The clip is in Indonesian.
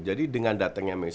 jadi dengan datangnya mason mount